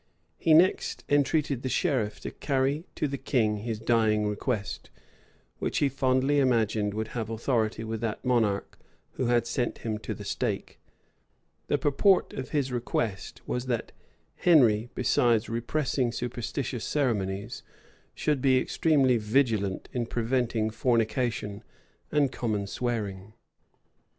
He next entreated the sheriff to carry to the king his dying request, which he fondly imagined would have authority with that monarch who had sent him to the stake. The purport of his request was, that Henry, besides repressing superstitious ceremonies, should be extremely vigilant in preventing fornication and common swearing.